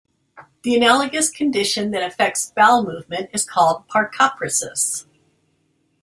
The analogous condition that affects bowel movement is called parcopresis.